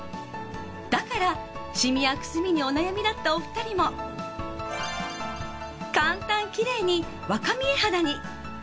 だからシミやくすみにお悩みだったお二人も簡単きれいに若見え肌に。